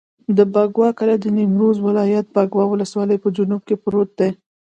د بکوا کلی د نیمروز ولایت، بکوا ولسوالي په جنوب کې پروت دی.